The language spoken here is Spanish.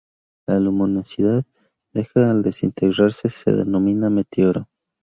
La luminosidad dejada al desintegrarse se denomina meteoro.